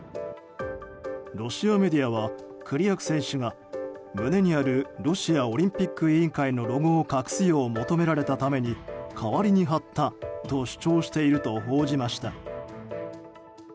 ロシアメディアはクリアク選手が胸にあるロシアオリンピック委員会のロゴを求められたために代わりに貼ったと主張していると報じました。